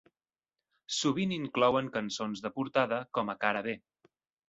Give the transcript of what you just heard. Sovint inclouen cançons de portada com a cara B.